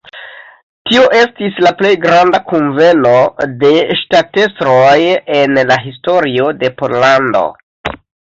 Tio estis la plej granda kunveno de ŝtatestroj en la historio de Pollando.